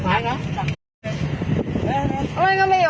แต่ทีนี้ไม่มีคนใจไปให้ด้วย